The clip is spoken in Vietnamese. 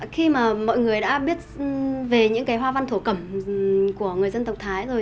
khi mà mọi người đã biết về những cái hoa văn thổ cẩm của người dân tộc thái rồi